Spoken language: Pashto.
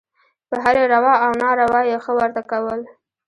په هرې روا او ناروا یې «ښه» ورته کول.